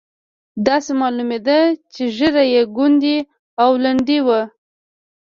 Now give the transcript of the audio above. داسې معلومېده چې ږیره یې کونډۍ او لنډۍ وه.